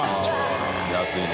◆舛安いね。